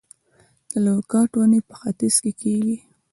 د لوکاټ ونې په ختیځ کې کیږي؟